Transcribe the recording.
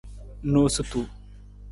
Noosutu.